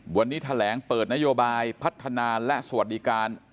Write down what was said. วันนี้แถลงเปิดนโยบายพัฒนาและสวัสดิการ